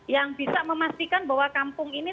yang bisa memastikan bahwa kampung ini